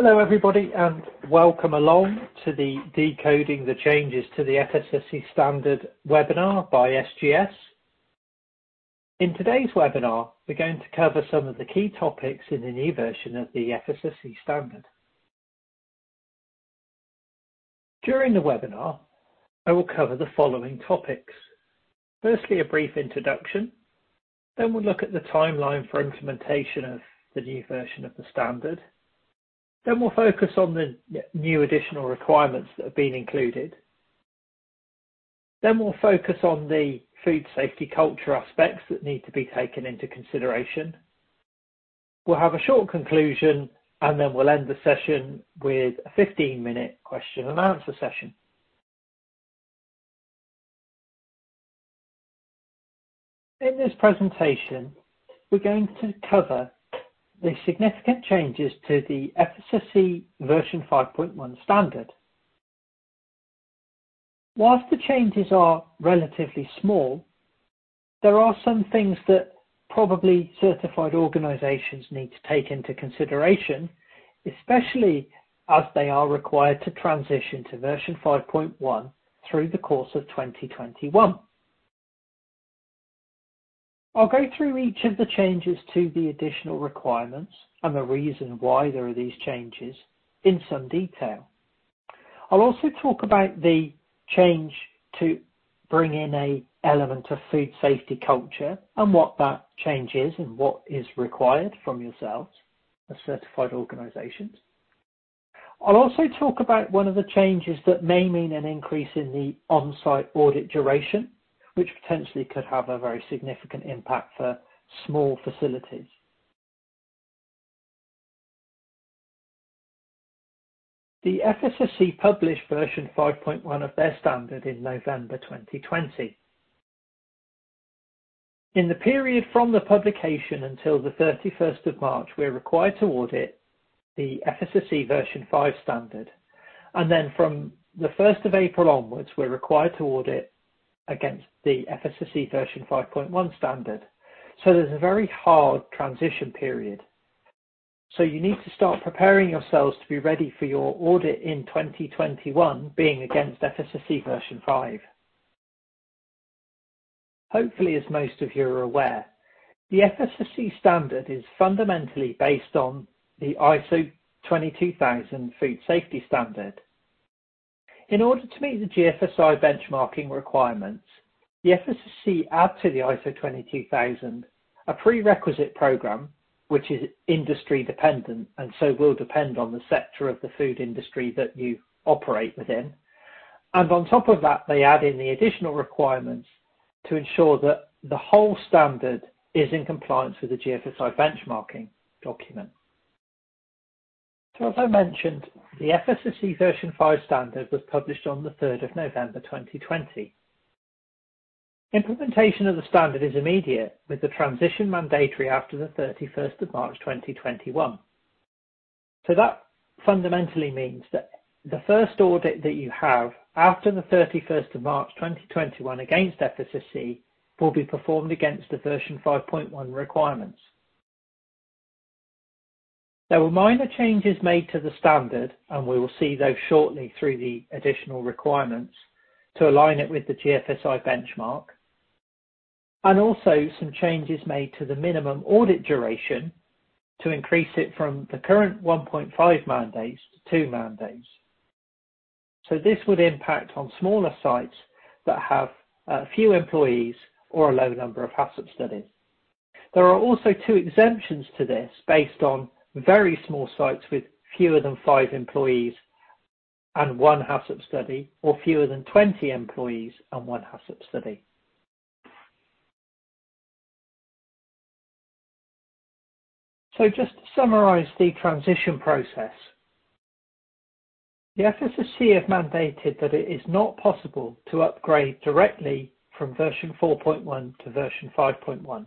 Hello everybody and welcome along to the Decoding the Changes to the FSSC Standard webinar by SGS. In today's webinar, we're going to cover some of the key topics in the new version of the FSSC Standard. During the webinar, I will cover the following topics: firstly, a brief introduction. Then we'll look at the timeline for implementation of the new version of the standard. Then we'll focus on the new additional requirements that have been included. Then we'll focus on the food safety culture aspects that need to be taken into consideration. We'll have a short conclusion. And then we'll end the session with a 15-minute question and answer session. In this presentation, we're going to cover the significant changes to the FSSC Version 5.1 standard. While the changes are relatively small, there are some things that probably certified organizations need to take into consideration, especially as they are required to transition to version 5.1 through the course of 2021. I'll go through each of the changes to the additional requirements and the reason why there are these changes in some detail. I'll also talk about the change to bring in an element of food safety culture and what that change is and what is required from yourselves as certified organizations. I'll also talk about one of the changes that may mean an increase in the on-site audit duration, which potentially could have a very significant impact for small facilities. The FSSC published version 5.1 of their standard in November 2020. In the period from the publication until the 31st of March, we're required to audit the FSSC Version 5 standard, and then from the 1st of April onwards, we're required to audit against the FSSC Version 5.1 standard, so there's a very hard transition period, so you need to start preparing yourselves to be ready for your audit in 2021 being against FSSC Version 5. Hopefully, as most of you are aware, the FSSC standard is fundamentally based on the ISO 22000 food safety standard. In order to meet the GFSI benchmarking requirements, the FSSC adds to the ISO 22000 a prerequisite program, which is industry dependent and so will depend on the sector of the food industry that you operate within, and on top of that, they add in the additional requirements to ensure that the whole standard is in compliance with the GFSI benchmarking document. As I mentioned, the FSSC Version 5 standard was published on the 3rd of November 2020. Implementation of the standard is immediate, with the transition mandatory after the 31st of March 2021. That fundamentally means that the first audit that you have after the 31st of March 2021 against FSSC will be performed against the version 5.1 requirements. There were minor changes made to the standard, and we will see those shortly through the additional requirements to align it with the GFSI benchmark, and also some changes made to the minimum audit duration to increase it from the current 1.5 man-days to 2 man-days. This would impact on smaller sites that have few employees or a low number of HACCP studies. There are also two exemptions to this based on very small sites with fewer than five employees and one HACCP study, or fewer than 20 employees and one HACCP study. So just to summarize the transition process, the FSSC have mandated that it is not possible to upgrade directly from version 4.1 to version 5.1.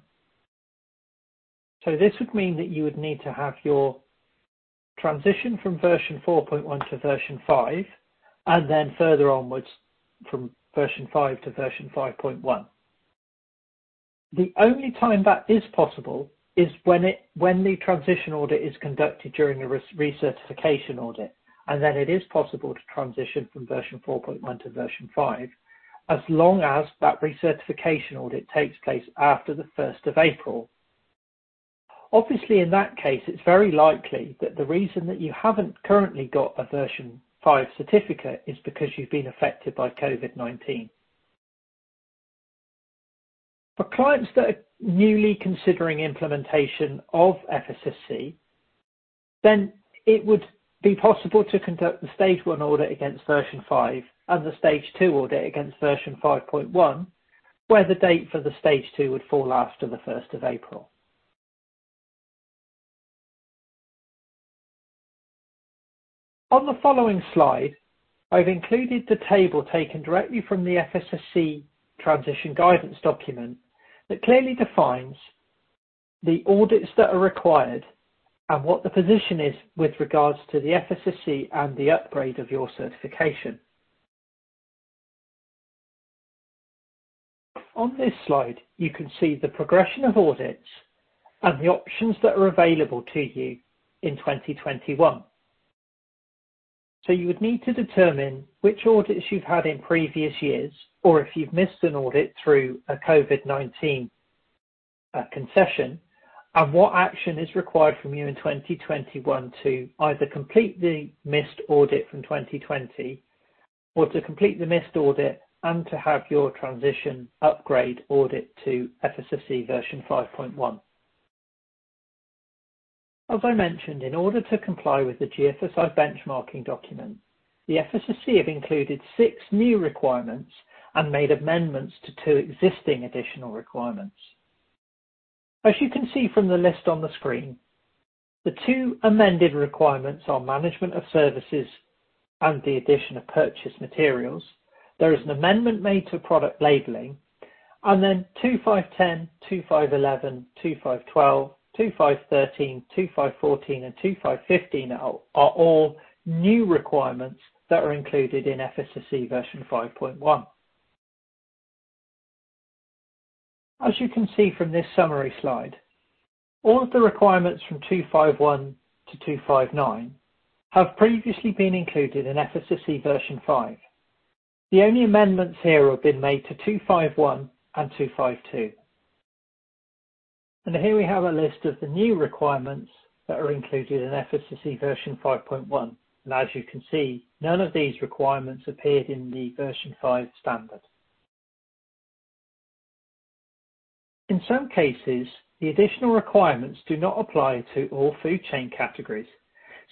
So this would mean that you would need to have your transition from version 4.1 to version 5, and then further onwards from version 5 to version 5.1. The only time that is possible is when the transition audit is conducted during a recertification audit, and then it is possible to transition from version 4.1 to version 5, as long as that recertification audit takes place after the 1st of April. Obviously, in that case, it's very likely that the reason that you haven't currently got a version 5 certificate is because you've been affected by COVID-19. For clients that are newly considering implementation of FSSC, then it would be possible to conduct the stage one audit against version 5 and the stage two audit against version 5.1, where the date for the stage two would fall after the 1st of April. On the following slide, I've included the table taken directly from the FSSC transition guidance document that clearly defines the audits that are required and what the position is with regards to the FSSC and the upgrade of your certification. On this slide, you can see the progression of audits and the options that are available to you in 2021. So you would need to determine which audits you've had in previous years, or if you've missed an audit through a COVID-19 concession, and what action is required from you in 2021 to either complete the missed audit from 2020, or to complete the missed audit and to have your transition upgrade audit to FSSC Version 5.1. As I mentioned, in order to comply with the GFSI benchmarking document, the FSSC have included six new requirements and made amendments to two existing additional requirements. As you can see from the list on the screen, the two amended requirements are management of services and the addition of purchase materials. There is an amendment made to product labeling, and then 2.5.10, 2.5.11, 2.5.12, 2.5.13, 2.5.14, and 2.5.15 are all new requirements that are included in FSSC Version 5.1. As you can see from this summary slide, all of the requirements from 2.5.1 to 2.5.9 have previously been included in FSSC Version 5. The only amendments here have been made to 2.5.1 and 2.5.2. And here we have a list of the new requirements that are included in FSSC Version 5.1, and as you can see, none of these requirements appeared in the version 5 standard. In some cases, the additional requirements do not apply to all food chain categories,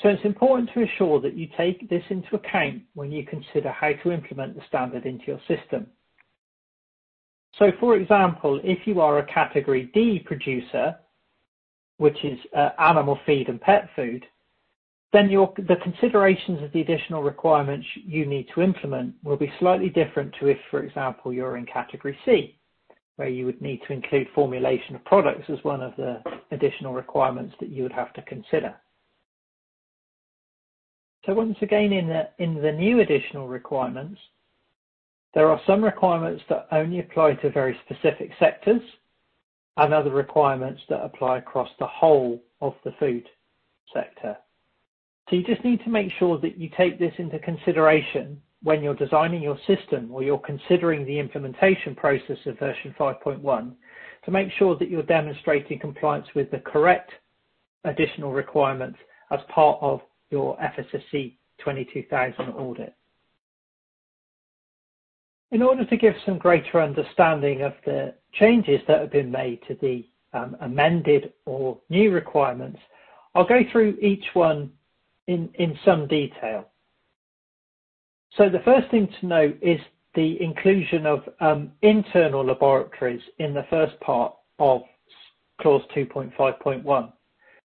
so it's important to ensure that you take this into account when you consider how to implement the standard into your system. For example, if you are a Category D producer, which is animal feed and pet food, then the considerations of the additional requirements you need to implement will be slightly different to if, for example, you're in Category C, where you would need to include formulation of products as one of the additional requirements that you would have to consider. Once again, in the new additional requirements, there are some requirements that only apply to very specific sectors and other requirements that apply across the whole of the food sector. You just need to make sure that you take this into consideration when you're designing your system or you're considering the implementation process of version 5.1, to make sure that you're demonstrating compliance with the correct additional requirements as part of your FSSC 22000 audit. In order to give some greater understanding of the changes that have been made to the amended or new requirements, I'll go through each one in some detail. So the first thing to note is the inclusion of internal laboratories in the first part of clause 2.5.1.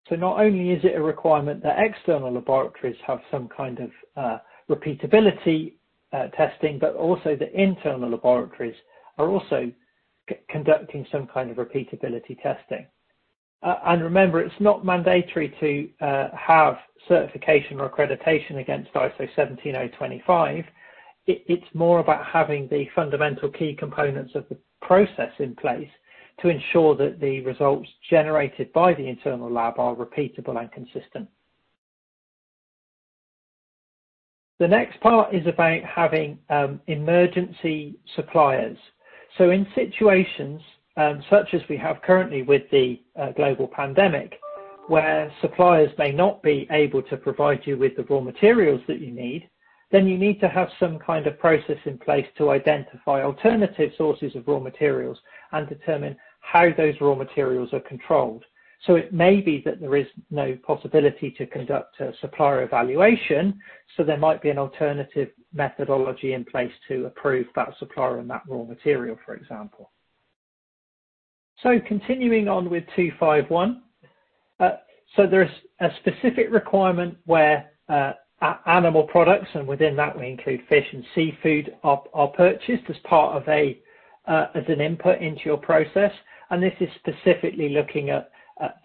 So not only is it a requirement that external laboratories have some kind of repeatability testing, but also the internal laboratories are also conducting some kind of repeatability testing. And remember, it's not mandatory to have certification or accreditation against ISO 17025. It's more about having the fundamental key components of the process in place to ensure that the results generated by the internal lab are repeatable and consistent. The next part is about having emergency suppliers. In situations such as we have currently with the global pandemic, where suppliers may not be able to provide you with the raw materials that you need, then you need to have some kind of process in place to identify alternative sources of raw materials and determine how those raw materials are controlled. It may be that there is no possibility to conduct a supplier evaluation, so there might be an alternative methodology in place to approve that supplier and that raw material, for example. Continuing on with 2.5.1, there is a specific requirement where animal products, and within that we include fish and seafood, are purchased as part of an input into your process, and this is specifically looking at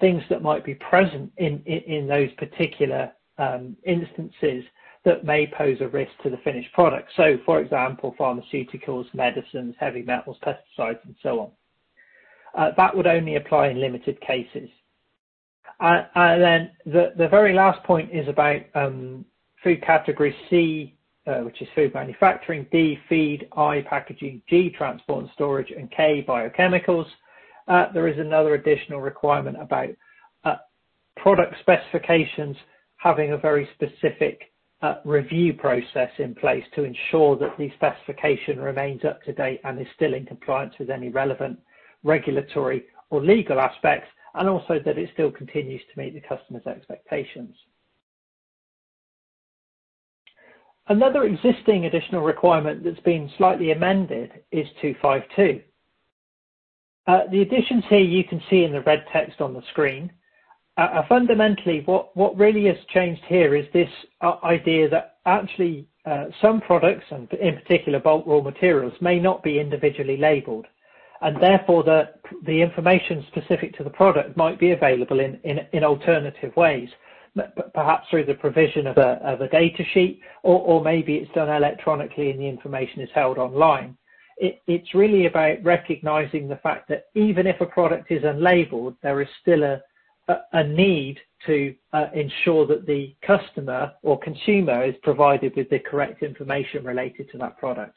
things that might be present in those particular instances that may pose a risk to the finished product. For example, pharmaceuticals, medicines, heavy metals, pesticides, and so on. That would only apply in limited cases. The very last point is about food Category C, which is food manufacturing, D, feed, I packaging, G, transport and storage, and K, biochemicals. There is another additional requirement about product specifications having a very specific review process in place to ensure that the specification remains up to date and is still in compliance with any relevant regulatory or legal aspects, and also that it still continues to meet the customer's expectations. Another existing additional requirement that's been slightly amended is 2.5.2. The additions here you can see in the red text on the screen. Fundamentally, what really has changed here is this idea that actually some products, and in particular bulk raw materials, may not be individually labeled, and therefore the information specific to the product might be available in alternative ways, perhaps through the provision of a data sheet, or maybe it's done electronically and the information is held online. It's really about recognizing the fact that even if a product is unlabeled, there is still a need to ensure that the customer or consumer is provided with the correct information related to that product.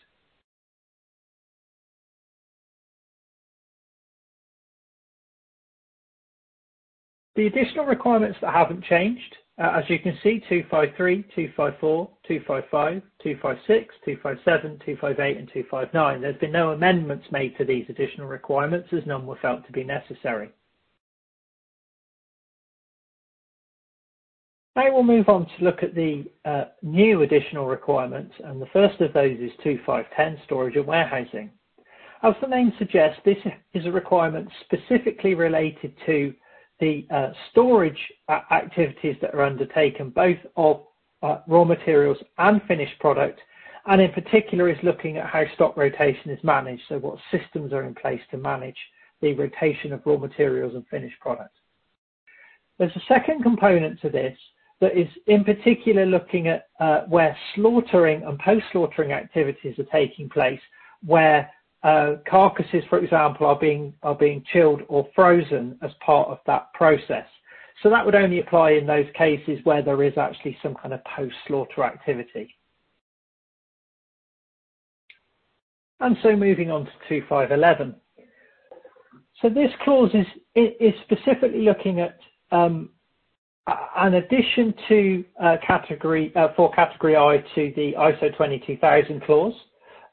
The additional requirements that haven't changed, as you can see, 2.5.3, 2.5.4, 2.5.5, 2.5.6, 2.5.7, 2.5.8, and 2.5.9. There's been no amendments made to these additional requirements as none were felt to be necessary. Now we'll move on to look at the new additional requirements, and the first of those is 2.5.10, storage and warehousing. As the name suggests, this is a requirement specifically related to the storage activities that are undertaken both of raw materials and finished product, and in particular is looking at how stock rotation is managed, so what systems are in place to manage the rotation of raw materials and finished products. There's a second component to this that is in particular looking at where slaughtering and post-slaughtering activities are taking place, where carcasses, for example, are being chilled or frozen as part of that process. So that would only apply in those cases where there is actually some kind of post-slaughter activity, and so moving on to 2.5.11, so this clause is specifically looking at an addition to category for Category I to the ISO 22000 clause,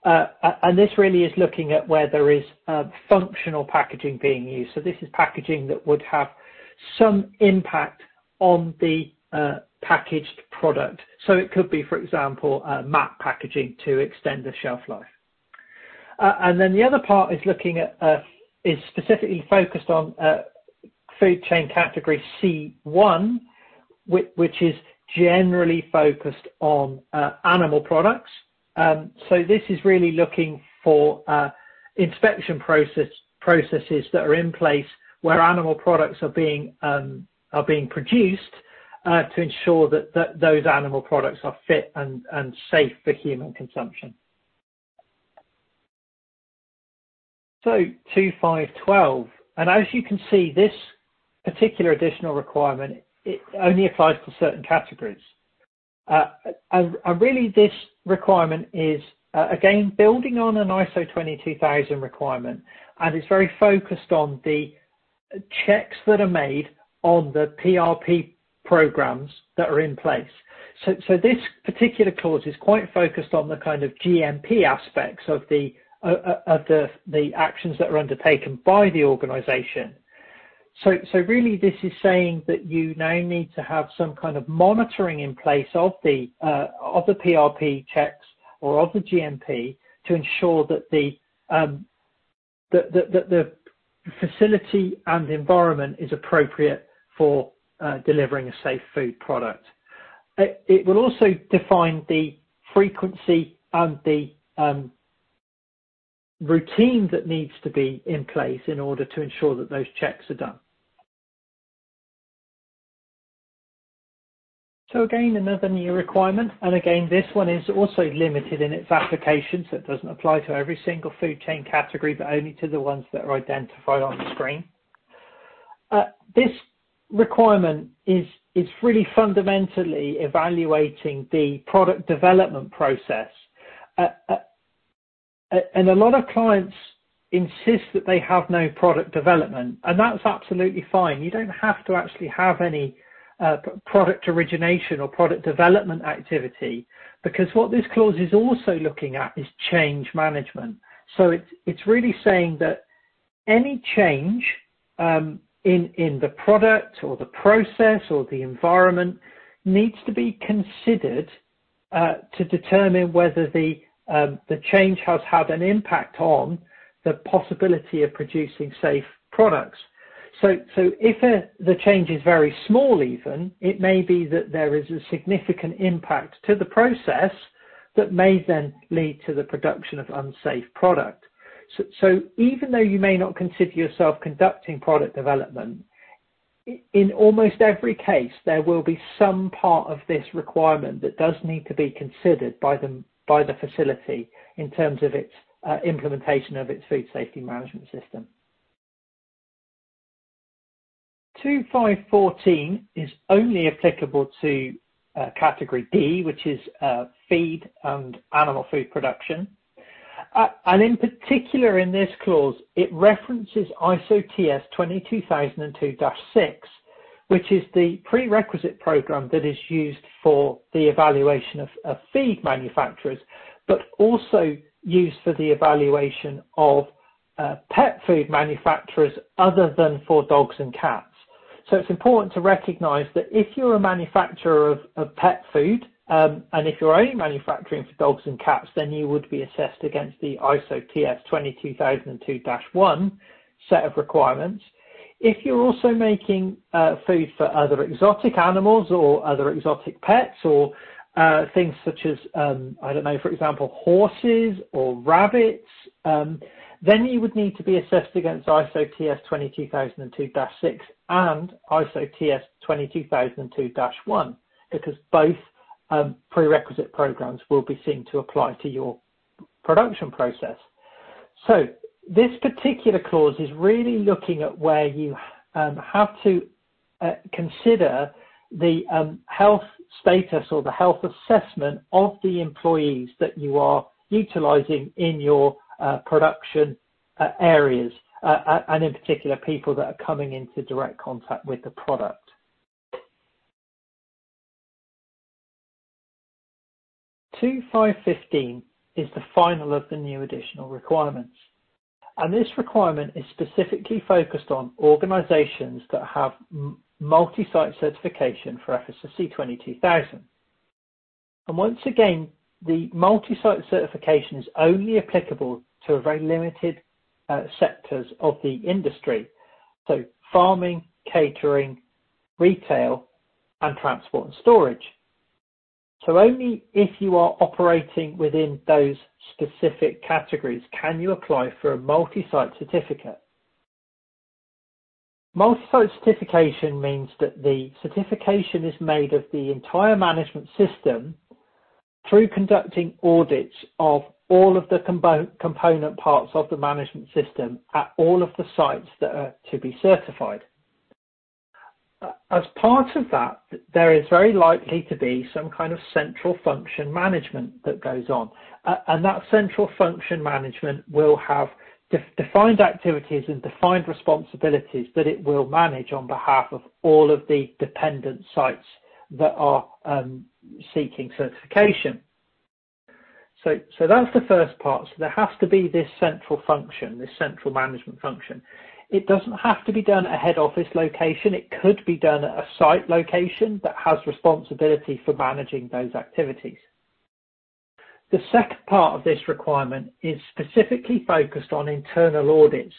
and this really is looking at where there is functional packaging being used. This is packaging that would have some impact on the packaged product. It could be, for example, MAP packaging to extend the shelf life. The other part is looking at is specifically focused on food chain Category C1, which is generally focused on animal products. This is really looking for inspection processes that are in place where animal products are being produced to ensure that those animal products are fit and safe for human consumption. 2.5.12, and as you can see, this particular additional requirement only applies to certain categories. This requirement is, again, building on an ISO 22000 requirement, and it's very focused on the checks that are made on the PRP programs that are in place. This particular clause is quite focused on the kind of GMP aspects of the actions that are undertaken by the organization. So really, this is saying that you now need to have some kind of monitoring in place of the PRP checks or of the GMP to ensure that the facility and environment is appropriate for delivering a safe food product. It will also define the frequency and the routine that needs to be in place in order to ensure that those checks are done. So again, another new requirement, and again, this one is also limited in its application, so it doesn't apply to every single food chain category, but only to the ones that are identified on the screen. This requirement is really fundamentally evaluating the product development process, and a lot of clients insist that they have no product development, and that's absolutely fine. You don't have to actually have any product origination or product development activity, because what this clause is also looking at is change management. It's really saying that any change in the product or the process or the environment needs to be considered to determine whether the change has had an impact on the possibility of producing safe products. If the change is very small even, it may be that there is a significant impact to the process that may then lead to the production of unsafe product. Even though you may not consider yourself conducting product development, in almost every case, there will be some part of this requirement that does need to be considered by the facility in terms of its implementation of its food safety management system. 2.5.14 is only applicable to Category D, which is feed and animal food production. In particular, in this clause, it references ISO/TS 22002-6, which is the prerequisite program that is used for the evaluation of feed manufacturers, but also used for the evaluation of pet food manufacturers other than for dogs and cats. It's important to recognize that if you're a manufacturer of pet food, and if you're only manufacturing for dogs and cats, then you would be assessed against the ISO/TS 22002-1 set of requirements. If you're also making food for other exotic animals or other exotic pets or things such as, I don't know, for example, horses or rabbits, then you would need to be assessed against ISO/TS 22002-6 and ISO/TS 22002-1, because both prerequisite programs will be seen to apply to your production process. So this particular clause is really looking at where you have to consider the health status or the health assessment of the employees that you are utilizing in your production areas, and in particular, people that are coming into direct contact with the product. 2.5.15 is the final of the new additional requirements, and this requirement is specifically focused on organizations that have multi-site certification for FSSC 22000. And once again, the multi-site certification is only applicable to very limited sectors of the industry, so farming, catering, retail, and transport and storage. So only if you are operating within those specific categories can you apply for a multi-site certificate. Multi-site certification means that the certification is made of the entire management system through conducting audits of all of the component parts of the management system at all of the sites that are to be certified. As part of that, there is very likely to be some kind of central function management that goes on, and that central function management will have defined activities and defined responsibilities that it will manage on behalf of all of the dependent sites that are seeking certification. So that's the first part. So there has to be this central function, this central management function. It doesn't have to be done at a head office location. It could be done at a site location that has responsibility for managing those activities. The second part of this requirement is specifically focused on internal audits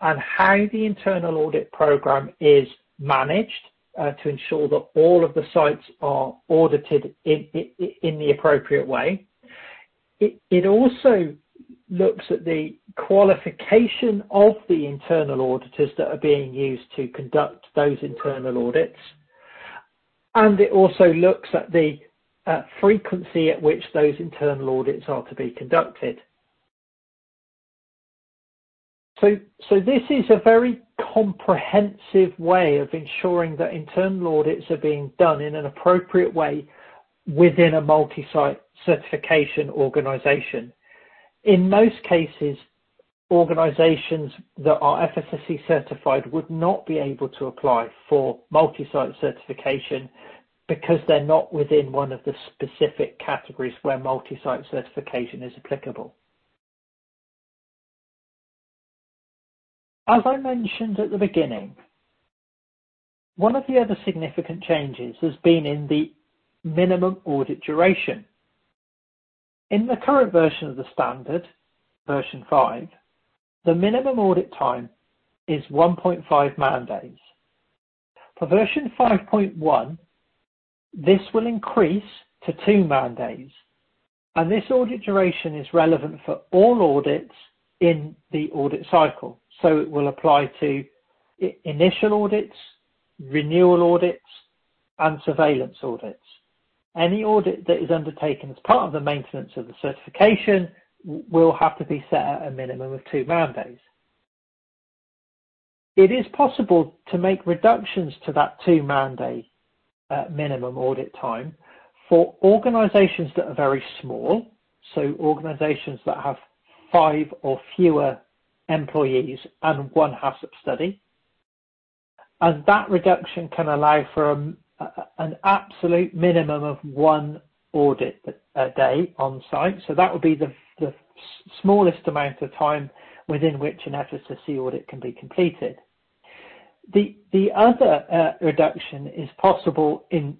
and how the internal audit program is managed to ensure that all of the sites are audited in the appropriate way. It also looks at the qualification of the internal auditors that are being used to conduct those internal audits, and it also looks at the frequency at which those internal audits are to be conducted. So this is a very comprehensive way of ensuring that internal audits are being done in an appropriate way within a multi-site certification organization. In most cases, organizations that are FSSC certified would not be able to apply for multi-site certification because they're not within one of the specific categories where multi-site certification is applicable. As I mentioned at the beginning, one of the other significant changes has been in the minimum audit duration. In the current version of the standard, version five, the minimum audit time is 1.5 man-days. For version 5.1, this will increase to two man-days, and this audit duration is relevant for all audits in the audit cycle, so it will apply to initial audits, renewal audits, and surveillance audits. Any audit that is undertaken as part of the maintenance of the certification will have to be set at a minimum of two man-days. It is possible to make reductions to that two-man-day minimum audit time for organizations that are very small, so organizations that have five or fewer employees and one HACCP study, and that reduction can allow for an absolute minimum of one audit a day on site. So that would be the smallest amount of time within which an FSSC audit can be completed. The other reduction is possible in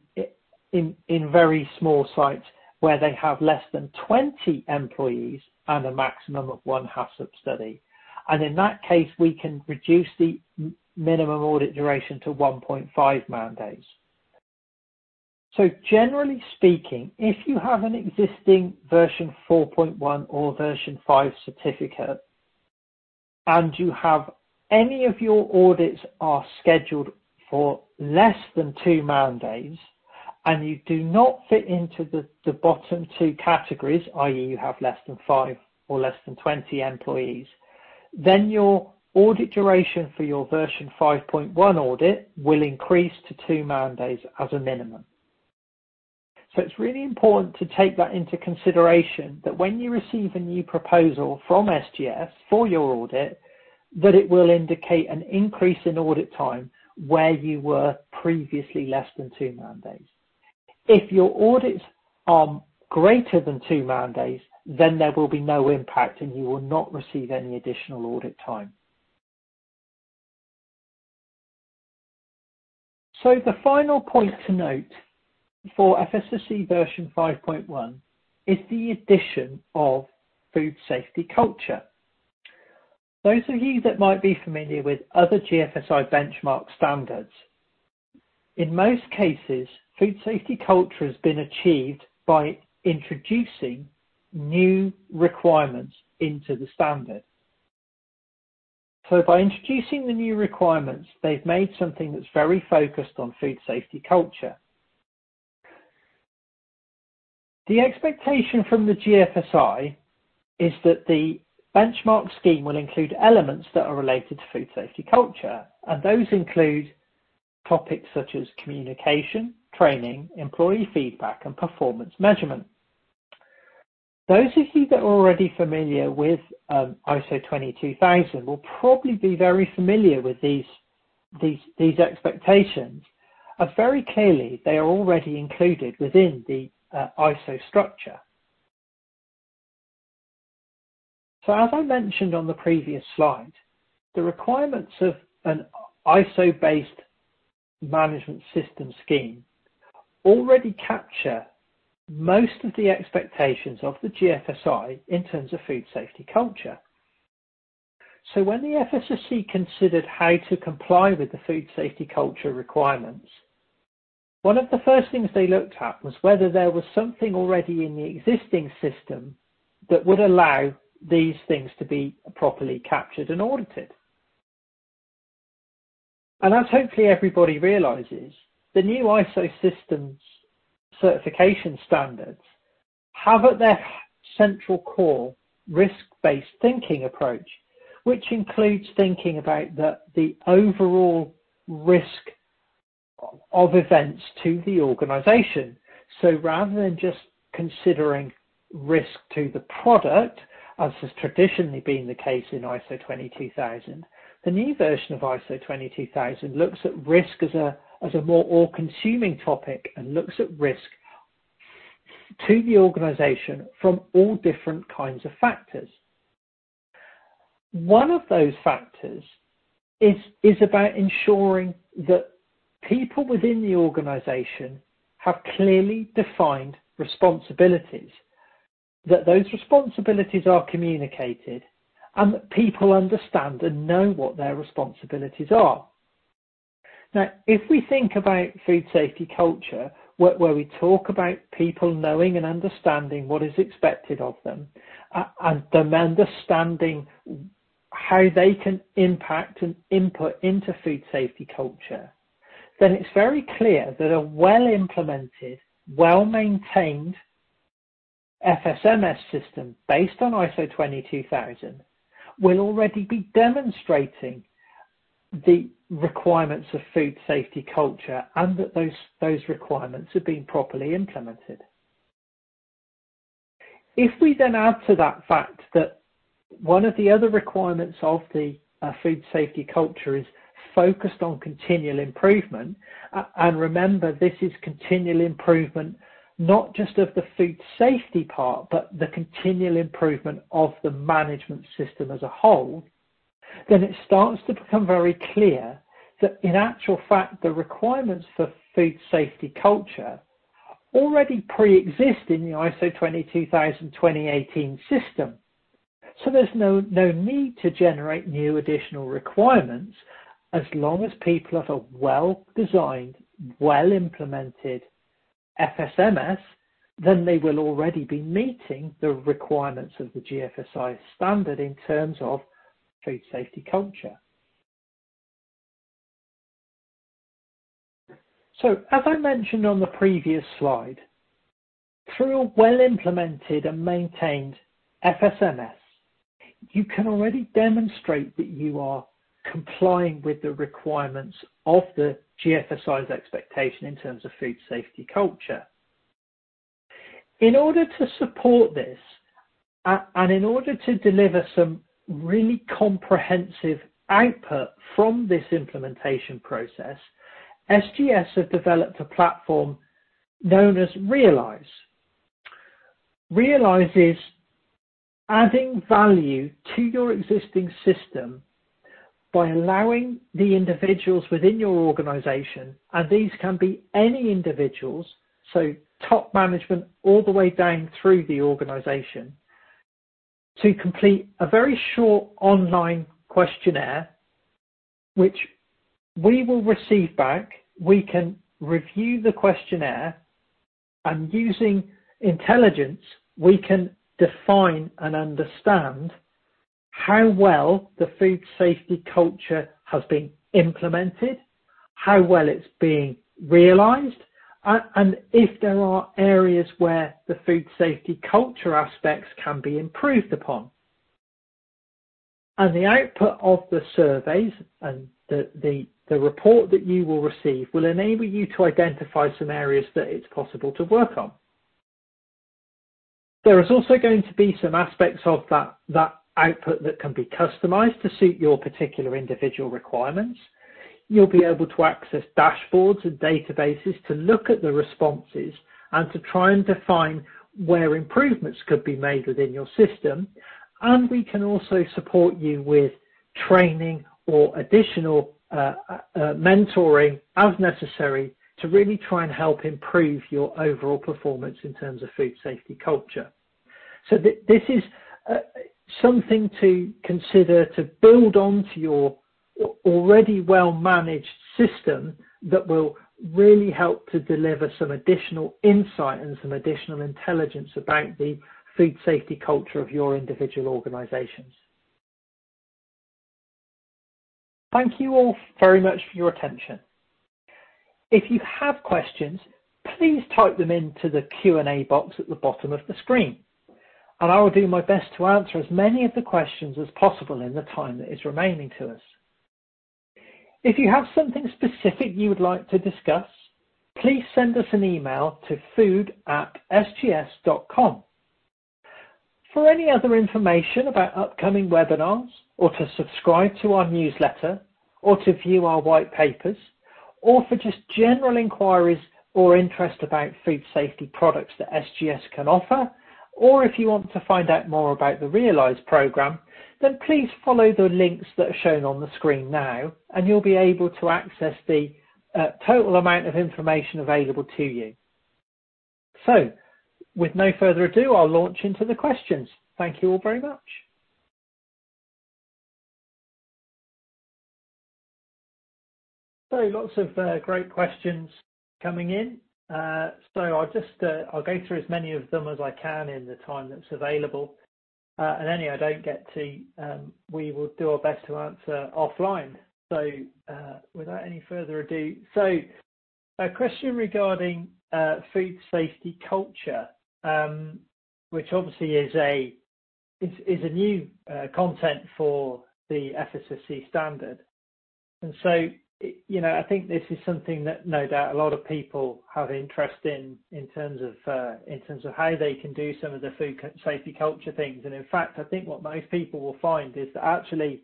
very small sites where they have less than 20 employees and a maximum of one HACCP study, and in that case, we can reduce the minimum audit duration to 1.5 man-days. So generally speaking, if you have an existing version 4.1 or version 5 certificate and you have any of your audits scheduled for less than two man-days and you do not fit into the bottom two categories, i.e., you have less than five or less than 20 employees, then your audit duration for your version 5.1 audit will increase to two man-days as a minimum. So it's really important to take that into consideration that when you receive a new proposal from SGS for your audit, that it will indicate an increase in audit time where you were previously less than two man-days. If your audits are greater than two man-days, then there will be no impact and you will not receive any additional audit time. So the final point to note for FSSC Version 5.1 is the addition of food safety culture. Those of you that might be familiar with other GFSI benchmark standards, in most cases, food safety culture has been achieved by introducing new requirements into the standard. So by introducing the new requirements, they've made something that's very focused on food safety culture. The expectation from the GFSI is that the benchmark scheme will include elements that are related to food safety culture, and those include topics such as communication, training, employee feedback, and performance measurement. Those of you that are already familiar with ISO 22000 will probably be very familiar with these expectations, and very clearly, they are already included within the ISO structure. As I mentioned on the previous slide, the requirements of an ISO-based management system scheme already capture most of the expectations of the GFSI in terms of food safety culture. So when the FSSC considered how to comply with the food safety culture requirements, one of the first things they looked at was whether there was something already in the existing system that would allow these things to be properly captured and audited. And as hopefully everybody realizes, the new ISO systems certification standards have at their central core risk-based thinking approach, which includes thinking about the overall risk of events to the organization. So rather than just considering risk to the product, as has traditionally been the case in ISO 22000, the new version of ISO 22000 looks at risk as a more all-consuming topic and looks at risk to the organization from all different kinds of factors. One of those factors is about ensuring that people within the organization have clearly defined responsibilities, that those responsibilities are communicated, and that people understand and know what their responsibilities are. Now, if we think about food safety culture, where we talk about people knowing and understanding what is expected of them and them understanding how they can impact and input into food safety culture, then it's very clear that a well-implemented, well-maintained FSMS system based on ISO 22000 will already be demonstrating the requirements of food safety culture and that those requirements have been properly implemented. If we then add to that fact that one of the other requirements of the food safety culture is focused on continual improvement, and remember, this is continual improvement not just of the food safety part but the continual improvement of the management system as a whole, then it starts to become very clear that in actual fact, the requirements for food safety culture already pre-exist in the ISO 22000:2018 system. So there's no need to generate new additional requirements. As long as people have a well-designed, well-implemented FSMS, then they will already be meeting the requirements of the GFSI standard in terms of food safety culture. So as I mentioned on the previous slide, through a well-implemented and maintained FSMS, you can already demonstrate that you are complying with the requirements of the GFSI's expectation in terms of food safety culture. In order to support this and in order to deliver some really comprehensive output from this implementation process, SGS have developed a platform known as Realize. Realize is adding value to your existing system by allowing the individuals within your organization, and these can be any individuals, so top management all the way down through the organization, to complete a very short online questionnaire which we will receive back. We can review the questionnaire, and using intelligence, we can define and understand how well the food safety culture has been implemented, how well it's being realized, and if there are areas where the food safety culture aspects can be improved upon. And the output of the surveys and the report that you will receive will enable you to identify some areas that it's possible to work on. There is also going to be some aspects of that output that can be customized to suit your particular individual requirements. You'll be able to access dashboards and databases to look at the responses and to try and define where improvements could be made within your system, and we can also support you with training or additional mentoring as necessary to really try and help improve your overall performance in terms of food safety culture. So this is something to consider to build onto your already well-managed system that will really help to deliver some additional insight and some additional intelligence about the food safety culture of your individual organizations. Thank you all very much for your attention. If you have questions, please type them into the Q&A box at the bottom of the screen, and I will do my best to answer as many of the questions as possible in the time that is remaining to us. If you have something specific you would like to discuss, please send us an email to food@sgs.com. For any other information about upcoming webinars, or to subscribe to our newsletter, or to view our white papers, or for just general inquiries or interest about food safety products that SGS can offer, or if you want to find out more about the Realize program, then please follow the links that are shown on the screen now, and you'll be able to access the total amount of information available to you. So with no further ado, I'll launch into the questions. Thank you all very much. So lots of great questions coming in, so I'll just go through as many of them as I can in the time that's available. And any I don't get to, we will do our best to answer offline. So without any further ado, so a question regarding food safety culture, which obviously is a new content for the FSSC standard. And so I think this is something that no doubt a lot of people have interest in in terms of how they can do some of the food safety culture things. And in fact, I think what most people will find is that actually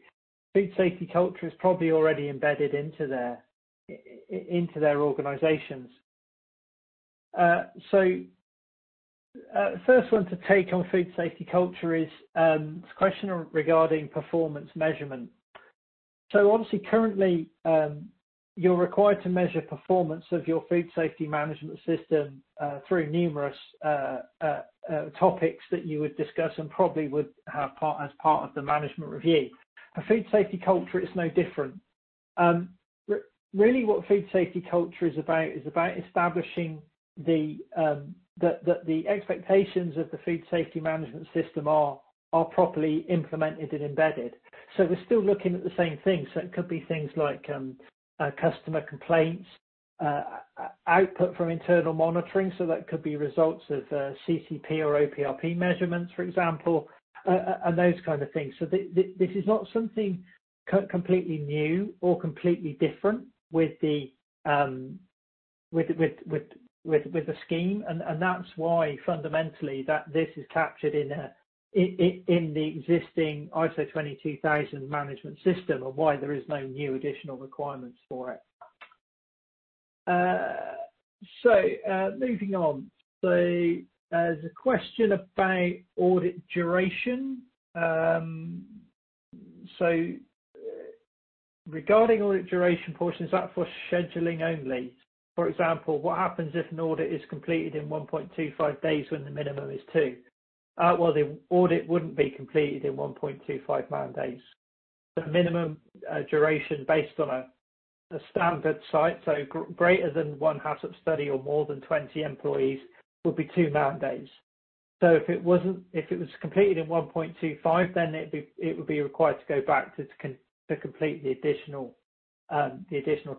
food safety culture is probably already embedded into their organizations. So the first one to take on food safety culture is a question regarding performance measurement. So obviously currently, you're required to measure performance of your food safety management system through numerous topics that you would discuss and probably would have as part of the management review. For food safety culture, it's no different. Really, what food safety culture is about is about establishing that the expectations of the food safety management system are properly implemented and embedded. So we're still looking at the same things, so it could be things like customer complaints, output from internal monitoring, so that could be results of CCP or OPRP measurements, for example, and those kind of things. So this is not something completely new or completely different with the scheme, and that's why fundamentally this is captured in the existing ISO 22000 management system and why there is no new additional requirements for it. So moving on, there's a question about audit duration. Regarding audit duration portions, is that for scheduling only? For example, what happens if an audit is completed in 1.25 days when the minimum is two? Well, the audit wouldn't be completed in 1.25 man-days. The minimum duration based on a standard site, so greater than one HACCP study or more than 20 employees, would be two man-days. So if it was completed in 1.25, then it would be required to go back to complete the additional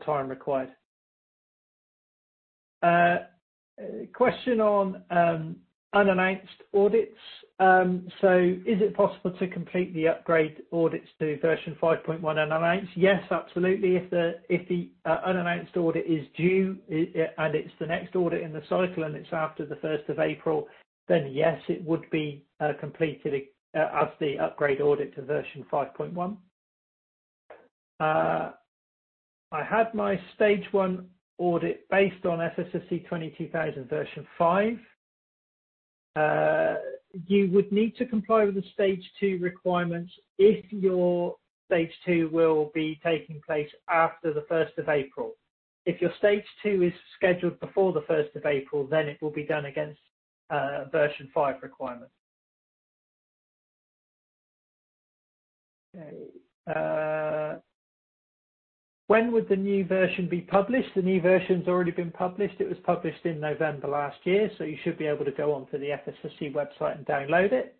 time required. Question on unannounced audits. So is it possible to complete the upgrade audits to version 5.1 unannounced? Yes, absolutely. If the unannounced audit is due and it's the next audit in the cycle and it's after the 1st of April, then yes, it would be completed as the upgrade audit to version 5.1. I had my stage one audit based on FSSC 22000 Version 5. You would need to comply with the stage two requirements if your stage two will be taking place after the 1st of April. If your stage two is scheduled before the 1st of April, then it will be done against version 5 requirements. When would the new version be published? The new version's already been published. It was published in November last year, so you should be able to go onto the FSSC website and download it.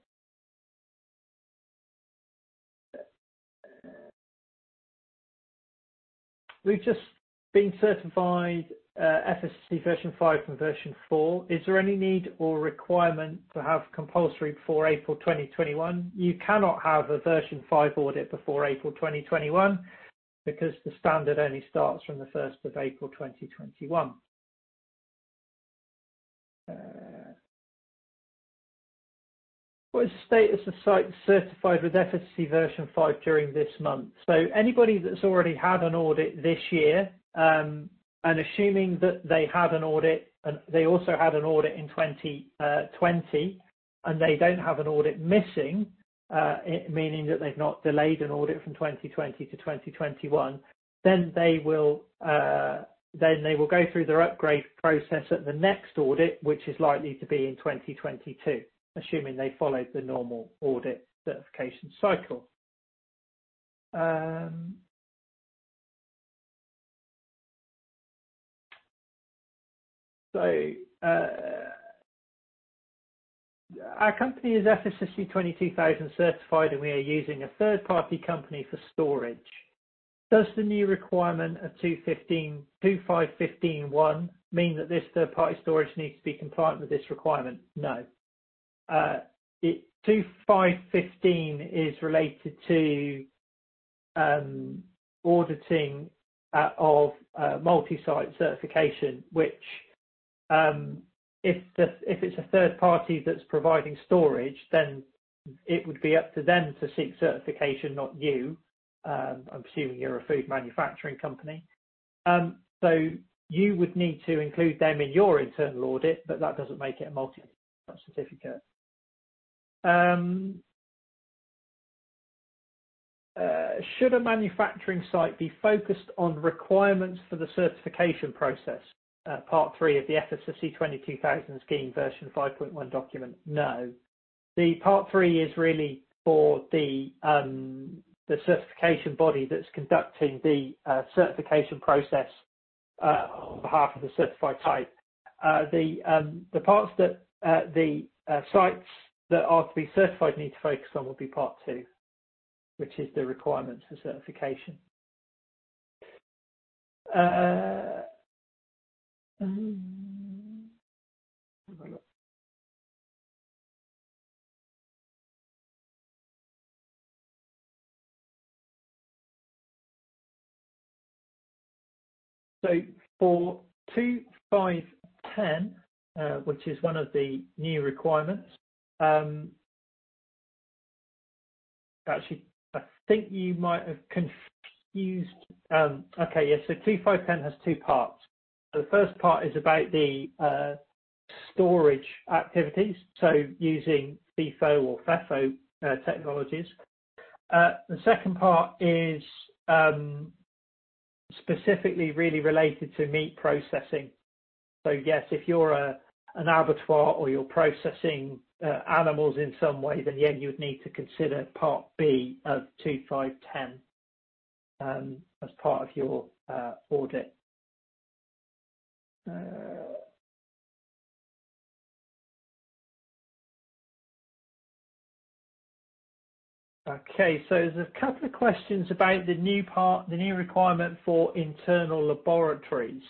We've just been certified FSSC Version 5 from version 4. Is there any need or requirement to have compulsory before April 2021? You cannot have a version 5 audit before April 2021 because the standard only starts from the 1st of April 2021. What is the status of sites certified with FSSC Version 5 during this month? So anybody that's already had an audit this year, and assuming that they had an audit and they also had an audit in 2020 and they don't have an audit missing, meaning that they've not delayed an audit from 2020 to 2021, then they will go through the upgrade process at the next audit, which is likely to be in 2022, assuming they followed the normal audit certification cycle. So our company is FSSC 22000 certified, and we are using a third-party company for storage. Does the new requirement of 2.5.15.1 mean that this third-party storage needs to be compliant with this requirement? No. 2.5.15.1 is related to auditing of multi-site certification, which if it's a third party that's providing storage, then it would be up to them to seek certification, not you. I'm assuming you're a food manufacturing company. So you would need to include them in your internal audit, but that doesn't make it a multi-site certificate. Should a manufacturing site be focused on requirements for the certification process, Part 3 of the FSSC 22000 scheme version 5.1 document? No. The Part 3 is really for the certification body that's conducting the certification process on behalf of the certified site. The parts that the sites that are to be certified need to focus on would be Part 2, which is the requirements for certification. So for 2.5.10, which is one of the new requirements, actually, I think you might have confused. Okay, yes. So 2.5.10 has two parts. The first part is about the storage activities, so using FIFO or FEFO technologies. The second part is specifically really related to meat processing. Yes, if you're an abattoir or you're processing animals in some way, then yeah, you would need to consider part B of 2.5.10 as part of your audit. Okay, there's a couple of questions about the new requirement for internal laboratories.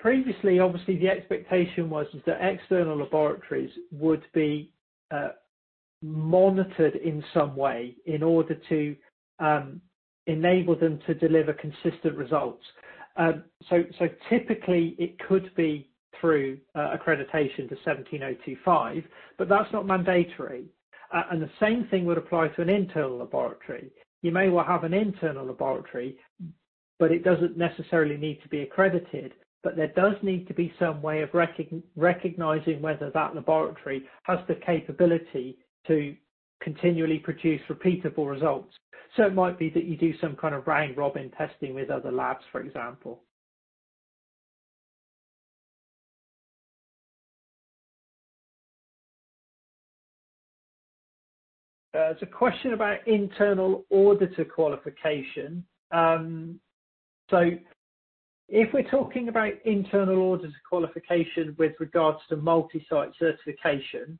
Previously, obviously, the expectation was that external laboratories would be monitored in some way in order to enable them to deliver consistent results. Typically, it could be through accreditation to 17025, but that's not mandatory. And the same thing would apply to an internal laboratory. You may well have an internal laboratory, but it doesn't necessarily need to be accredited, but there does need to be some way of recognizing whether that laboratory has the capability to continually produce repeatable results. It might be that you do some kind of round robin testing with other labs, for example. There's a question about internal auditor qualification. So if we're talking about internal auditor qualification with regards to multi-site certification,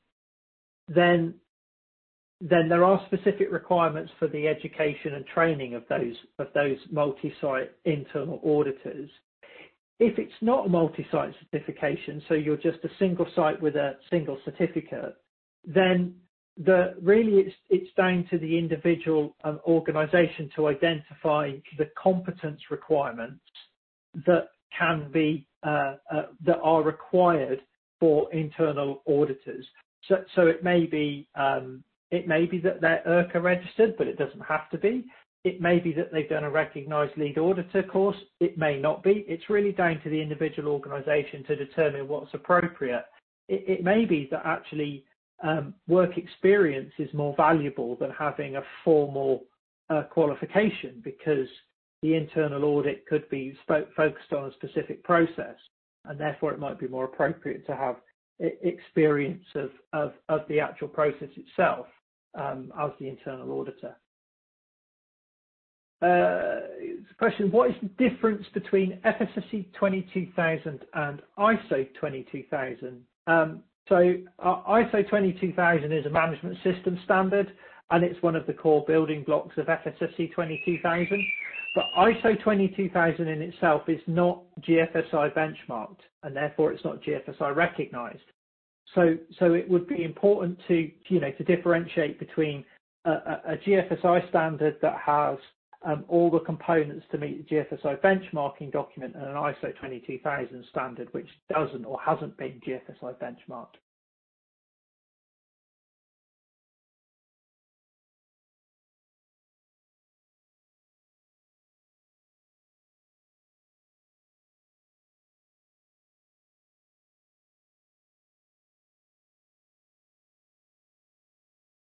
then there are specific requirements for the education and training of those multi-site internal auditors. If it's not a multi-site certification, so you're just a single site with a single certificate, then really it's down to the individual organization to identify the competence requirements that are required for internal auditors. So it may be that they're IRCA registered, but it doesn't have to be. It may be that they've done a recognized lead auditor course. It may not be. It's really down to the individual organization to determine what's appropriate. It may be that actually work experience is more valuable than having a formal qualification because the internal audit could be focused on a specific process, and therefore it might be more appropriate to have experience of the actual process itself as the internal auditor. Question: What is the difference between FSSC 22000 and ISO 22000? So ISO 22000 is a management system standard, and it's one of the core building blocks of FSSC 22000, but ISO 22000 in itself is not GFSI benchmarked, and therefore it's not GFSI recognized. So it would be important to differentiate between a GFSI standard that has all the components to meet the GFSI benchmarking document and an ISO 22000 standard, which doesn't or hasn't been GFSI benchmarked.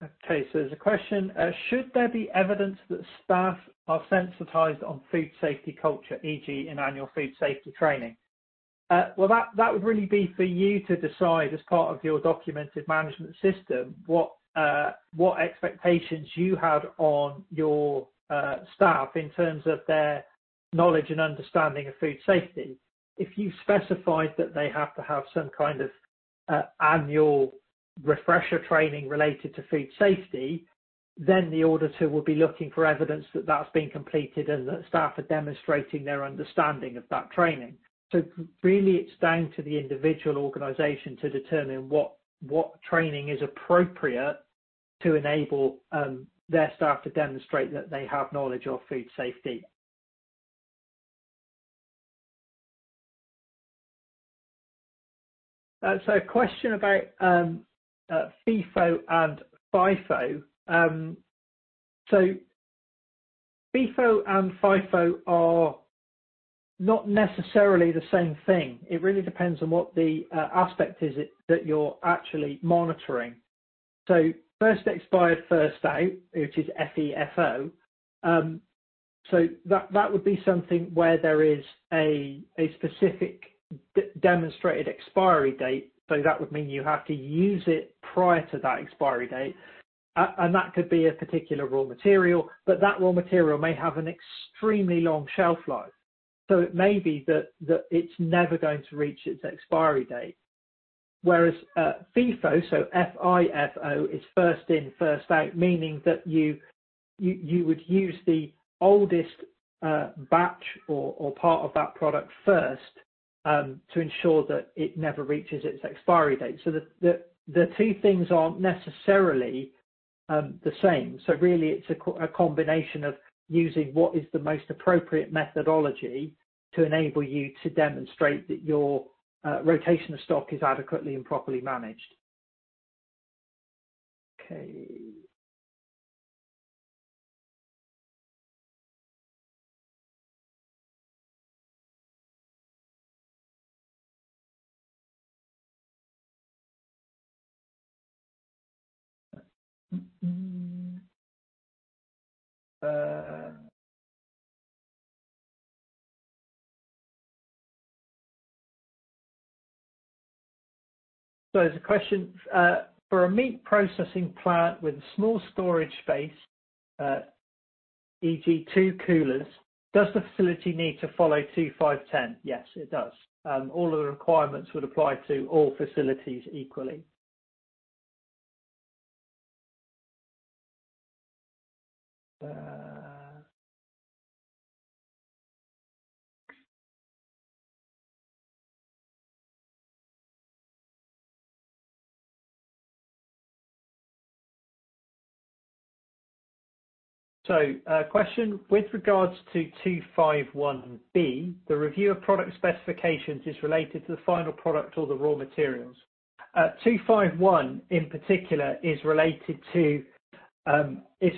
Okay, so there's a question: Should there be evidence that staff are sensitized on food safety culture, e.g., in annual food safety training? That would really be for you to decide as part of your documented management system what expectations you had on your staff in terms of their knowledge and understanding of food safety. If you specified that they have to have some kind of annual refresher training related to food safety, then the auditor would be looking for evidence that that's been completed and that staff are demonstrating their understanding of that training. Really, it's down to the individual organization to determine what training is appropriate to enable their staff to demonstrate that they have knowledge of food safety. A question about FIFO and FEFO. FIFO and FEFO are not necessarily the same thing. It really depends on what the aspect is that you're actually monitoring. First expired, first out, which is FEFO. That would be something where there is a specific demonstrated expiry date. So that would mean you have to use it prior to that expiry date, and that could be a particular raw material, but that raw material may have an extremely long shelf life. So it may be that it's never going to reach its expiry date. Whereas FIFO, so F-I-F-O, is first in, first out, meaning that you would use the oldest batch or part of that product first to ensure that it never reaches its expiry date. So the two things aren't necessarily the same. So really, it's a combination of using what is the most appropriate methodology to enable you to demonstrate that your rotation of stock is adequately and properly managed. Okay. So there's a question: For a meat processing plant with a small storage space, e.g., two coolers, does the facility need to follow 2.5.10? Yes, it does. All of the requirements would apply to all facilities equally. So, question: With regards to 2.5.1(b), the review of product specifications is related to the final product or the raw materials? 2.5.1, in particular, is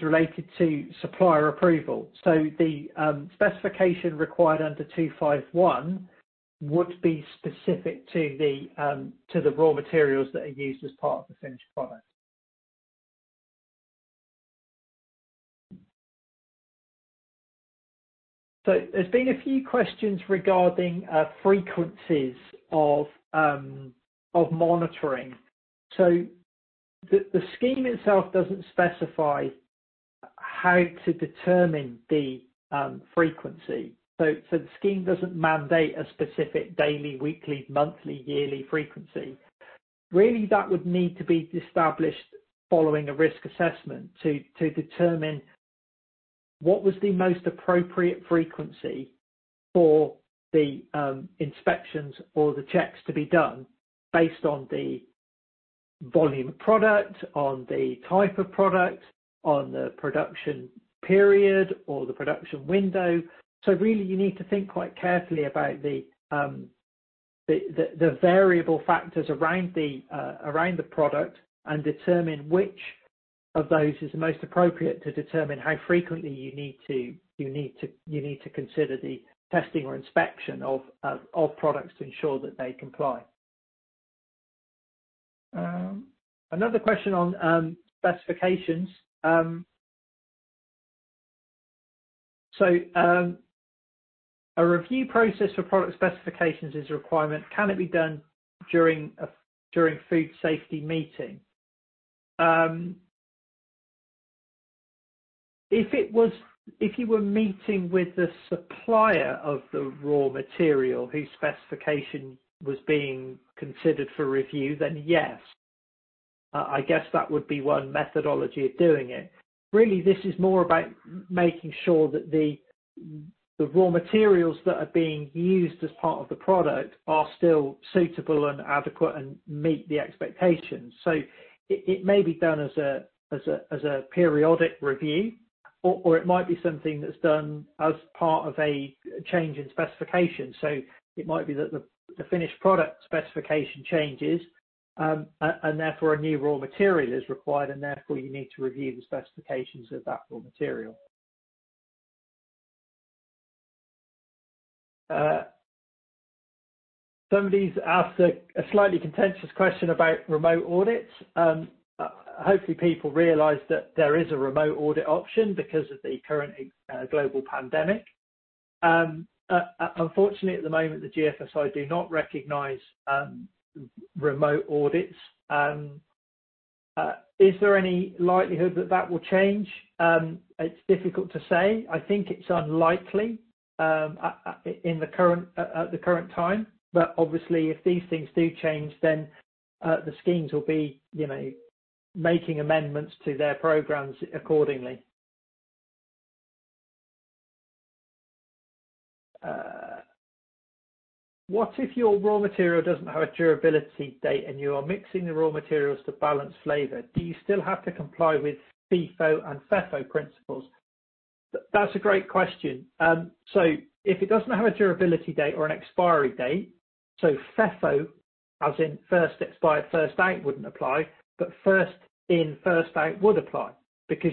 related to supplier approval. So the specification required under 2.5.1 would be specific to the raw materials that are used as part of the finished product. So there's been a few questions regarding frequencies of monitoring. So the scheme itself doesn't specify how to determine the frequency. So the scheme doesn't man-day a specific daily, weekly, monthly, yearly frequency. Really, that would need to be established following a risk assessment to determine what was the most appropriate frequency for the inspections or the checks to be done based on the volume of product, on the type of product, on the production period, or the production window. Really, you need to think quite carefully about the variable factors around the product and determine which of those is the most appropriate to determine how frequently you need to consider the testing or inspection of products to ensure that they comply. Another question on specifications. A review process for product specifications is a requirement. Can it be done during a food safety meeting? If you were meeting with the supplier of the raw material whose specification was being considered for review, then yes. I guess that would be one methodology of doing it. Really, this is more about making sure that the raw materials that are being used as part of the product are still suitable and adequate and meet the expectations. It may be done as a periodic review, or it might be something that's done as part of a change in specification. It might be that the finished product specification changes, and therefore a new raw material is required, and therefore you need to review the specifications of that raw material. Somebody's asked a slightly contentious question about remote audits. Hopefully, people realize that there is a remote audit option because of the current global pandemic. Unfortunately, at the moment, the GFSI do not recognise remote audits. Is there any likelihood that that will change? It's difficult to say. I think it's unlikely at the current time, but obviously, if these things do change, then the schemes will be making amendments to their programs accordingly. What if your raw material doesn't have a durability date and you are mixing the raw materials to balance flavor? Do you still have to comply with FIFO and FEFO principles? That's a great question. So if it doesn't have a durability date or an expiry date, so FEFO, as in first expired first out, wouldn't apply, but first in, first out would apply because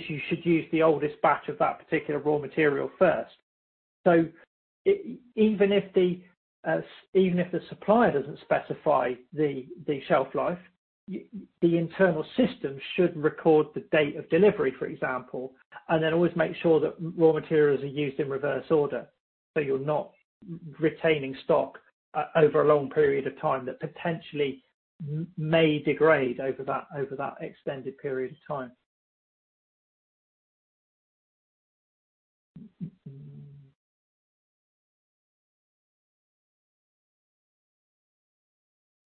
you should use the oldest batch of that particular raw material first. So even if the supplier doesn't specify the shelf life, the internal system should record the date of delivery, for example, and then always make sure that raw materials are used in reverse order so you're not retaining stock over a long period of time that potentially may degrade over that extended period of time.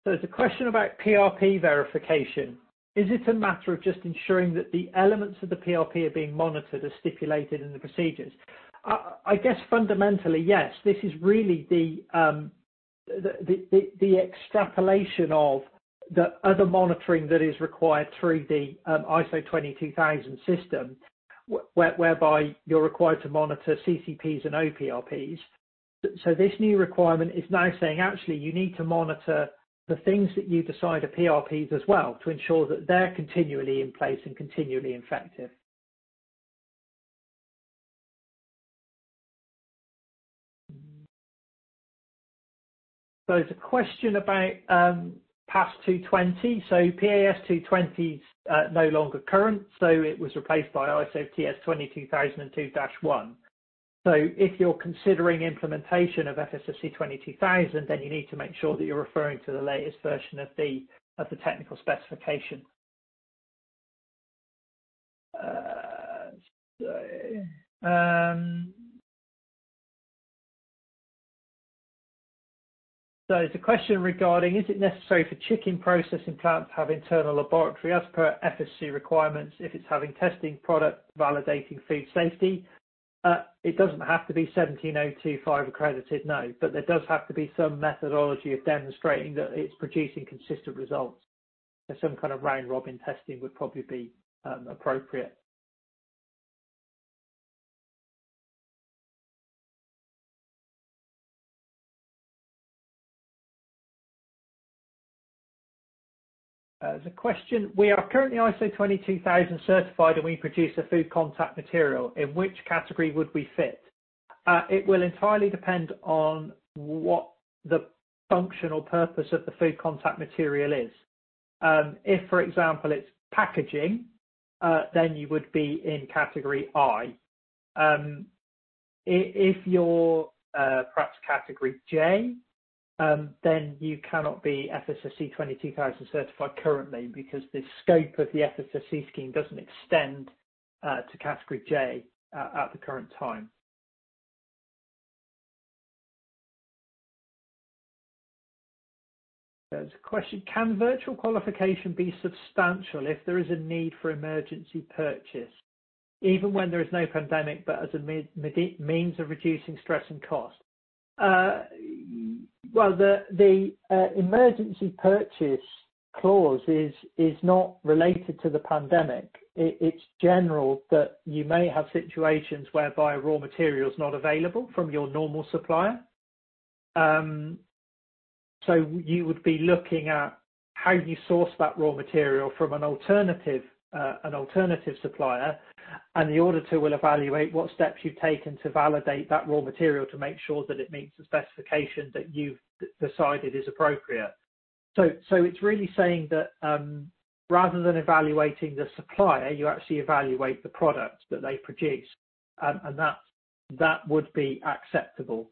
There's a question about PRP verification. Is it a matter of just ensuring that the elements of the PRP are being monitored as stipulated in the procedures? I guess fundamentally, yes. This is really the extrapolation of the other monitoring that is required through the ISO 22000 system, whereby you're required to monitor CCPs and OPRPs. So this new requirement is now saying, actually, you need to monitor the things that you decide are PRPs as well to ensure that they're continually in place and continually effective. There's a question about PAS 220. So PAS 220 is no longer current, so it was replaced by ISO/TS 22002-1. So if you're considering implementation of FSSC 22000, then you need to make sure that you're referring to the latest version of the technical specification. So there's a question regarding: Is it necessary for chicken processing plants to have internal laboratory as per FSSC requirements if it's having testing product validating food safety? It doesn't have to be ISO 17025 accredited, no, but there does have to be some methodology of demonstrating that it's producing consistent results. So some kind of round robin testing would probably be appropriate. There's a question: We are currently ISO 22000 certified, and we produce a food contact material. In which category would we fit? It will entirely depend on what the functional purpose of the food contact material is. If, for example, it's packaging, then you would be in Category I. If you're perhaps Category J, then you cannot be FSSC 22000 certified currently because the scope of the FSSC scheme doesn't extend to Category J at the current time. There's a question: Can virtual qualification be substantial if there is a need for emergency purchase, even when there is no pandemic, but as a means of reducing stress and cost? The emergency purchase clause is not related to the pandemic. It's general that you may have situations whereby raw material is not available from your normal supplier. You would be looking at how you source that raw material from an alternative supplier, and the auditor will evaluate what steps you've taken to validate that raw material to make sure that it meets the specification that you've decided is appropriate. It's really saying that rather than evaluating the supplier, you actually evaluate the product that they produce, and that would be acceptable.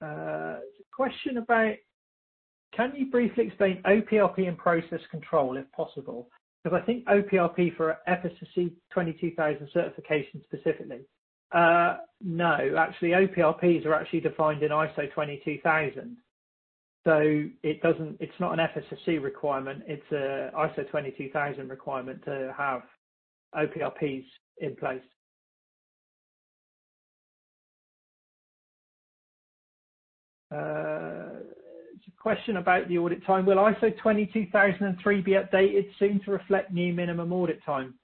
There's a question about: Can you briefly explain OPRP and process control if possible? Because I think OPRP for FSSC 22000 certification specifically. No. Actually, OPRPs are actually defined in ISO 22000. It's not an FSSC requirement. It's an ISO 22000 requirement to have OPRPs in place. There's a question about the audit time. Will ISO 22003 be updated soon to reflect new minimum audit time?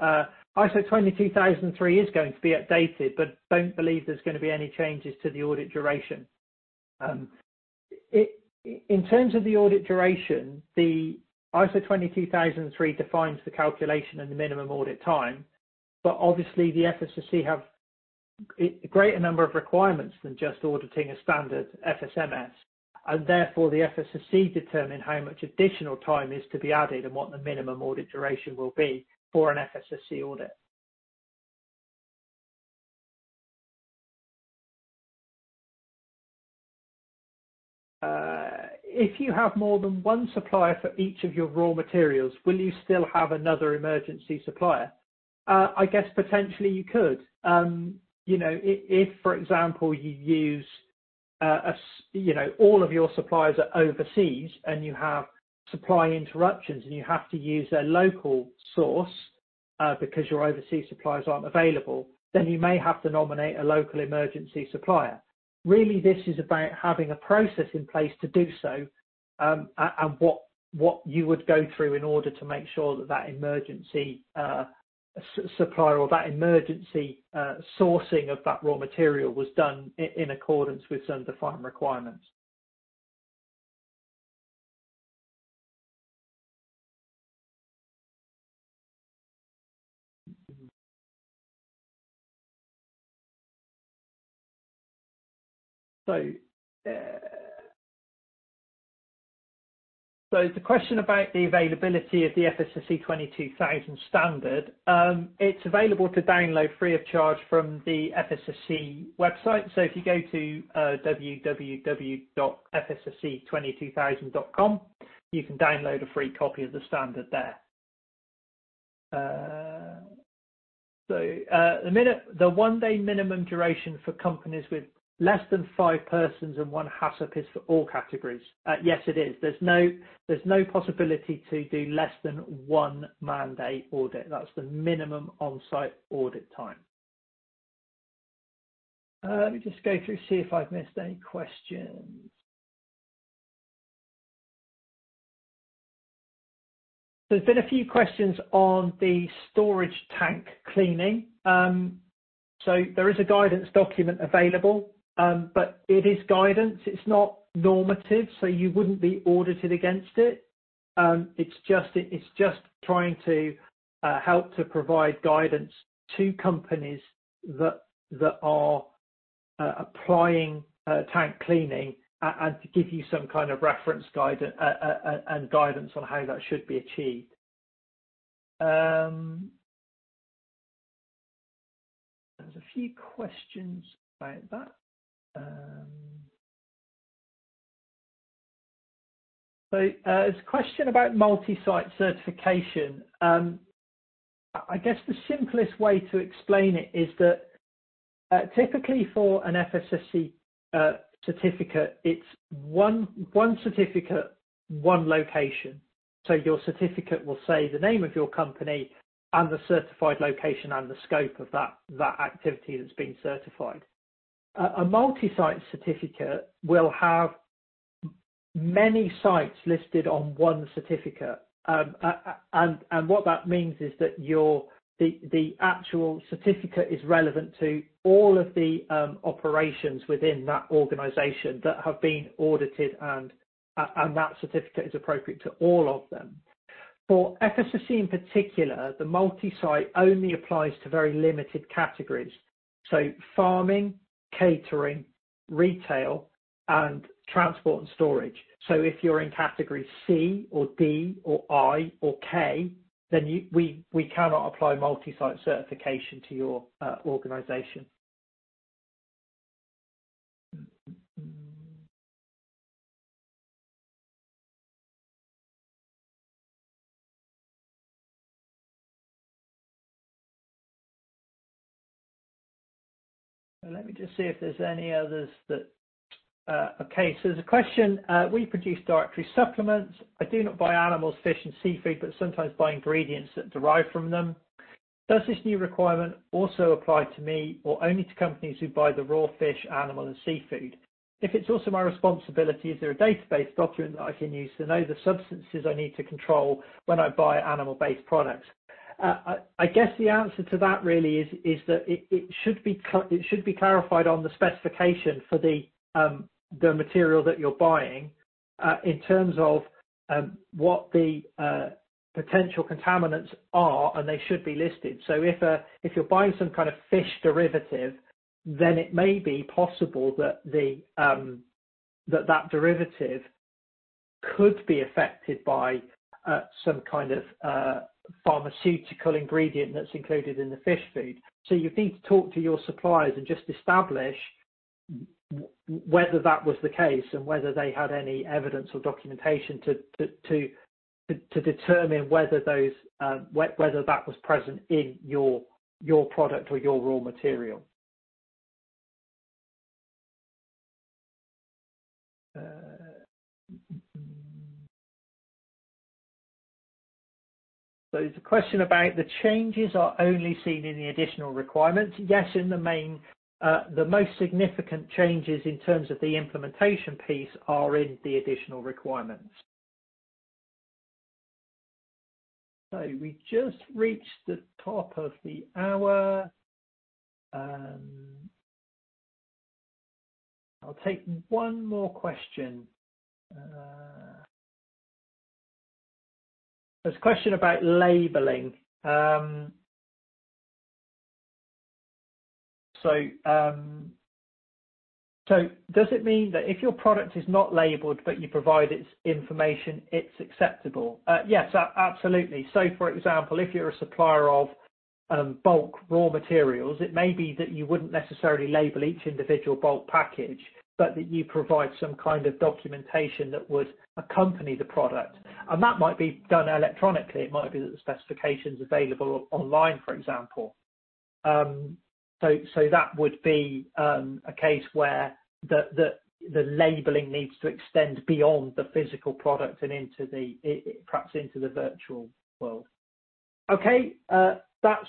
ISO 22003 is going to be updated, but don't believe there's going to be any changes to the audit duration. In terms of the audit duration, the ISO 22003 defines the calculation and the minimum audit time, but obviously, the FSSC have a greater number of requirements than just auditing a standard FSMS, and therefore, the FSSC determine how much additional time is to be added and what the minimum audit duration will be for an FSSC audit. If you have more than one supplier for each of your raw materials, will you still have another emergency supplier? I guess potentially you could. If, for example, you use all of your suppliers are overseas and you have supply interruptions and you have to use a local source because your overseas suppliers aren't available, then you may have to nominate a local emergency supplier. Really, this is about having a process in place to do so and what you would go through in order to make sure that that emergency supplier or that emergency sourcing of that raw material was done in accordance with some defined requirements. So there's a question about the availability of the FSSC 22000 standard. It's available to download free of charge from the FSSC website. So if you go to www.fssc22000.com, you can download a free copy of the standard there. So the one-day minimum duration for companies with less than five persons and one HACCP is for all categories. Yes, it is. There's no possibility to do less than one man-day audit. That's the minimum on-site audit time. Let me just go through and see if I've missed any questions. There's been a few questions on the storage tank cleaning. So there is a guidance document available, but it is guidance. It's not normative, so you wouldn't be audited against it. It's just trying to help to provide guidance to companies that are applying tank cleaning and to give you some kind of reference guidance on how that should be achieved. There's a few questions about that. There's a question about multi-site certification. I guess the simplest way to explain it is that typically for an FSSC certificate, it's one certificate, one location. So your certificate will say the name of your company and the certified location and the scope of that activity that's been certified. A multi-site certificate will have many sites listed on one certificate, and what that means is that the actual certificate is relevant to all of the operations within that organization that have been audited, and that certificate is appropriate to all of them. For FSSC in particular, the multi-site only applies to very limited categories, so farming, catering, retail, and transport and storage, so if you're in Category C or D or I or K, then we cannot apply multi-site certification to your organization. Let me just see if there's any others that, okay, so there's a question: We produce dietary supplements. I do not buy animals, fish, and seafood, but sometimes buy ingredients that derive from them. Does this new requirement also apply to me or only to companies who buy the raw fish, animal, and seafood? If it's also my responsibility, is there a database document that I can use to know the substances I need to control when I buy animal-based products? I guess the answer to that really is that it should be clarified on the specification for the material that you're buying in terms of what the potential contaminants are, and they should be listed. So if you're buying some kind of fish derivative, then it may be possible that that derivative could be affected by some kind of pharmaceutical ingredient that's included in the fish food. So you'd need to talk to your suppliers and just establish whether that was the case and whether they had any evidence or documentation to determine whether that was present in your product or your raw material. There's a question about: The changes are only seen in the additional requirements. Yes, in the main the most significant changes in terms of the implementation piece are in the additional requirements. So we just reached the top of the hour. I'll take one more question. There's a question about labeling. So does it mean that if your product is not labeled but you provide its information, it's acceptable? Yes, absolutely. So for example, if you're a supplier of bulk raw materials, it may be that you wouldn't necessarily label each individual bulk package, but that you provide some kind of documentation that would accompany the product. And that might be done electronically. It might be that the specification's available online, for example. So that would be a case where the labeling needs to extend beyond the physical product and perhaps into the virtual world. Okay. That's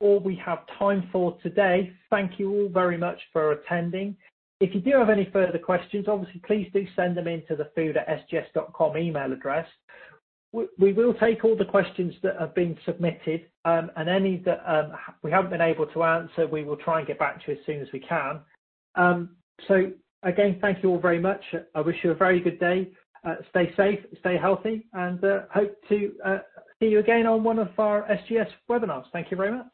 all we have time for today. Thank you all very much for attending. If you do have any further questions, obviously, please do send them into the food@sgs.com email address. We will take all the questions that have been submitted, and any that we haven't been able to answer, we will try and get back to you as soon as we can, so again, thank you all very much. I wish you a very good day. Stay safe, stay healthy, and hope to see you again on one of our SGS webinars. Thank you very much.